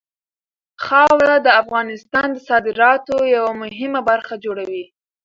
خاوره د افغانستان د صادراتو یوه مهمه برخه جوړوي.